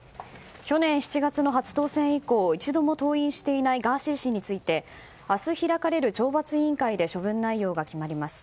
去年７月の初当選以降一度も登院していないガーシー氏について明日、開かれる懲罰委員会で処分内容が決まります。